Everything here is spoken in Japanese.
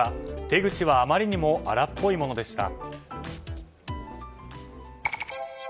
手口はあまりにも荒っぽいものでした。